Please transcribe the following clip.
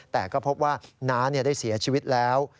แต่ก็พบว่าน้าได้เสียชีวิตแล้ว